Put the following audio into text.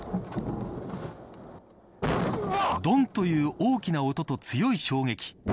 ドン、という大きな音と強い衝撃。